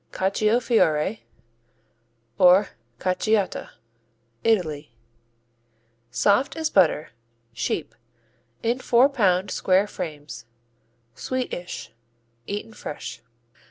Cacio Fiore, or Caciotta Italy Soft as butter; sheep; in four pound square frames; sweetish; eaten fresh.